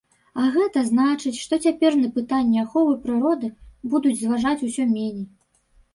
А гэта значыць, што цяпер на пытанні аховы прыроды будуць зважаць усё меней.